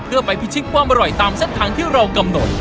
เพื่อไปพิชิตความอร่อยตามเส้นทางที่เรากำหนด